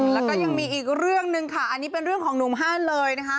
แล้วก็ยังมีอีกเรื่องหนึ่งค่ะอันนี้เป็นเรื่องของหนุ่มห้านเลยนะคะ